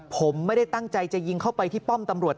ผมไม่ได้ตั้งใจจะยิงเข้าไปที่ป้อมตำรวจ